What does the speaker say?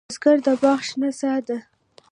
بزګر د باغ شنه سا ده